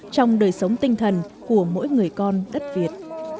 trong đời sống tinh thần của mỗi người con đất việt